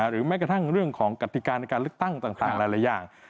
แม้กระทั่งเรื่องของกติกาในการเลือกตั้งต่างหลายอย่าง